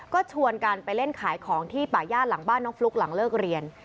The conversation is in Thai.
ก็ชวนกันไปเล่นขายของที่ป่าย่าหลังบ้านน้องฟลุ๊กหลังเลิกเรียน